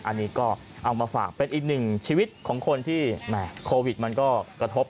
อันนี้ก็เอามาฝากเป็นอีกหนึ่งชีวิตของคนที่โควิดมันก็กระทบ